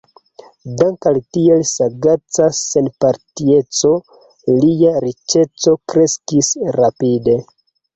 Dank' al tiel sagaca senpartieco, lia riĉeco kreskis rapide.